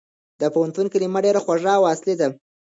د پوهنتون کلمه ډېره خوږه او اصلي ده.